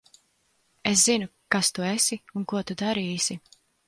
Es zinu, kas tu esi un ko tu darīsi.